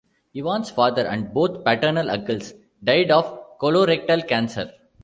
Evans' father and both paternal uncles died of colorectal cancer.